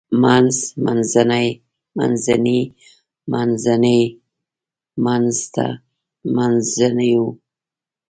منځ منځنۍ منځني منځتی منځته منځنيو